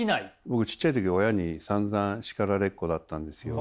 僕ちっちゃい時親にさんざん叱られっ子だったんですよ。